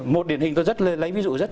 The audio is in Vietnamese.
một điển hình tôi rất lấy ví dụ rất